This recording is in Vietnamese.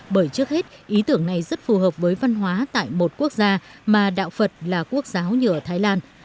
bởi trước hết ý tưởng này rất phù hợp với văn hóa tại một quốc gia mà đạo phật là quốc giáo như ở thái lan